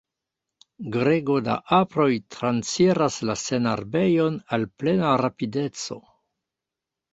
Grego da aproj transiras la senarbejon al plena rapideco.